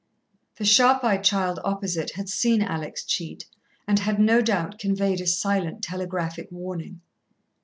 The sharp eyed child opposite had seen Alex cheat, and had no doubt conveyed a silent telegraphic warning.